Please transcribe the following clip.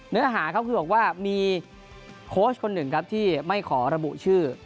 เนื้อหาเขาคือบอกว่ามีโค้ชคนหนึ่งครับที่ไม่ขอระบุชื่อ